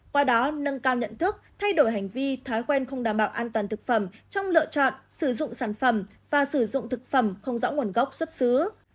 qua đó nâng cao nhận thức thay đổi hành vi thói quen không đảm bảo an toàn thực phẩm trong lựa chọn sử dụng sản phẩm và sử dụng thực phẩm không rõ nguồn gốc xuất xứ